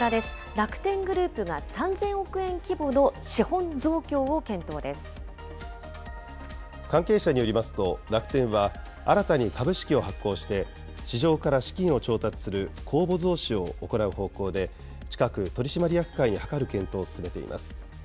楽天グループが３０００億円規模関係者によりますと、楽天は、新たに株式を発行して、市場から資金を調達する公募増資を行う方向で近く、取締役会に諮る検討を進めています。